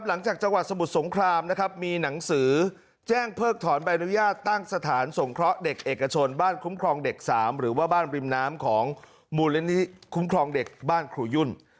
หลังจากจังหวัดสมุทรสงครามนะครับมีหนังสือแจ้งเพิกถอนใบอนุญาตตั้งสถานสงเคราะห์เด็กเอกชนบ้านคุ้มครองเด็ก๓หรือว่าบ้านริมน้ำของมูลนิธิคุ้มครองเด็กบ้านครูยุ่น